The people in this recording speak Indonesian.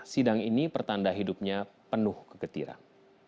sidang ini pertanda hidupnya penuh kegetiran